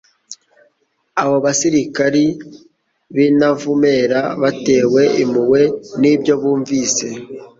Abo basirikari b'intavumera batewe impuhwe n'ibyo bumvise